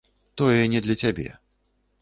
Тое не для цябе.